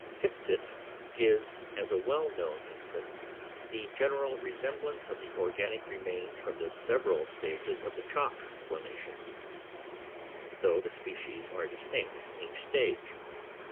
Pictet gives as a well known instance, the general resemblance of the organic remains from the several stages of the Chalk formation, though the species are distinct in each stage.